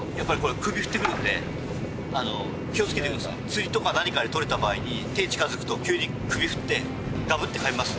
釣りとか何かでとれた場合に手が近づくと急に首振ってガブッて噛みます。